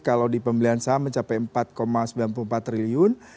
kalau di pembelian saham mencapai empat sembilan puluh empat triliun